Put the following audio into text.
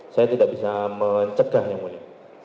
saya tidak bisa mencegah yang mulia